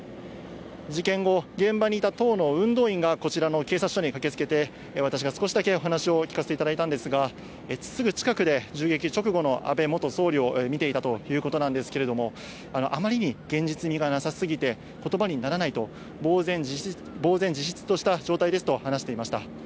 事件後、現場にいた党の運動員がこちらの警察署に駆けつけて、私が少しだけお話を聞かせていただいたんですが、すぐ近くで、銃撃直後の安倍元総理を見ていたということなんですけれども、あまりに現実味がなさすぎて、ことばにならないと、ぼう然自失とした状態ですと話していました。